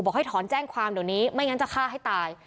ให้ถอนแจ้งความเดี๋ยวนี้ไม่งั้นจะฆ่าให้ตาย